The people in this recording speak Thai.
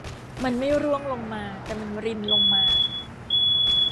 มันไม่ร่วงลงมาแต่มันรินลงมา